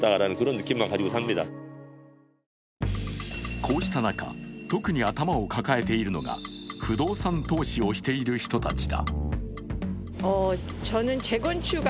こうした中、特に頭を抱えているのが不動産投資をしている人たちだ。